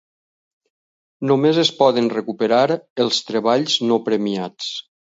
Només es poden recuperar els treballs no premiats.